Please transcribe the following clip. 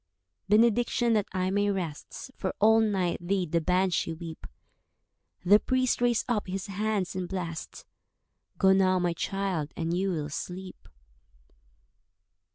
"Benediction, that I may rest, For all night did the Banshee weep." The priest raised up his hands and blest— "Go now, my child, and you will sleep."